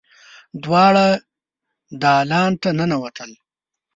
دواړه دالان ته ننوتل.